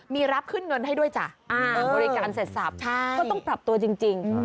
มีรับขึ้นเงินให้ด้วยจ้ะบริการเสร็จสับก็ต้องปรับตัวจริง